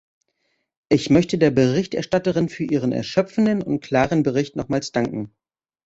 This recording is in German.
Ich möchte der Berichterstatterin für ihren erschöpfenden und klaren Bericht nochmals danken.